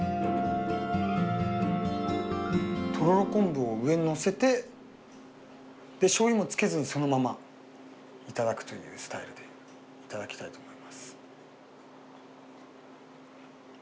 とろろ昆布を上にのせてしょうゆもつけずそのままいただくというスタイルでいただきたいと思います。